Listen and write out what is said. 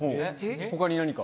他に何か？